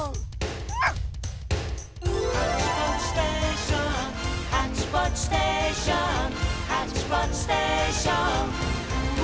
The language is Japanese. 「ハッチポッチステーションハッチポッチステーション」「ハッチポッチステーション」